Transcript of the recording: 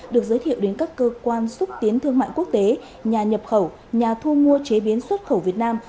được giới thiệu đến các cơ quan xúc tiến thương mại quốc tế nhà nhập khẩu nhà thu mua chế biến xuất khẩu việt nam